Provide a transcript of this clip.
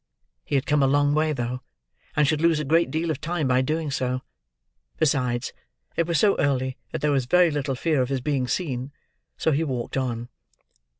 He had come a long way though, and should lose a great deal of time by doing so. Besides, it was so early that there was very little fear of his being seen; so he walked on.